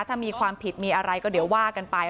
ถ้ามีความผิดมีอะไรก็เดี๋ยวว่ากันไป